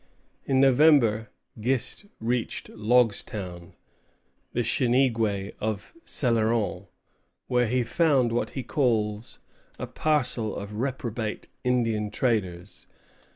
In November Gist reached Logstown, the Chiningué of Céloron, where he found what he calls a "parcel of reprobate Indian traders."